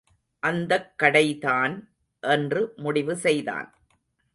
அந்தக் கடைதான் என்று முடிவு செய்தான்.